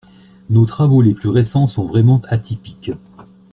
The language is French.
nos travaux les plus récents sont vraiment atypiques.